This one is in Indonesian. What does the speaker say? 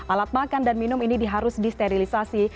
alat makan dan minum ini harus disterilisasi